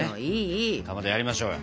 かまどやりましょうよ。